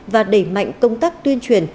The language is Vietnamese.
và đẩy mạnh công tác tuyên truyền